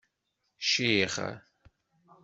Cciɣ.